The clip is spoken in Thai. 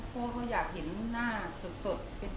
เราก็ไม่รู้ว่าเหมือกับพ่ออะไร